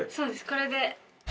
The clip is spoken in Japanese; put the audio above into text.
これで。